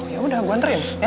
yaudah gue anterin ya